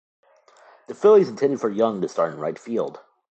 The Phillies intended for Young to start in right field.